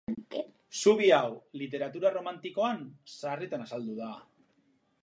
Zubi hau literatura erromantikoan sarritan azaldu da.